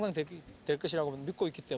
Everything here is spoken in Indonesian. dan dengan pertandingan yang baik